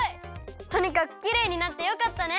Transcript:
とにかくきれいになってよかったね！